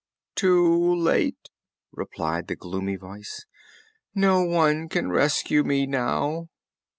"Too late!" replied the gloomy voice. "No one can rescue me now."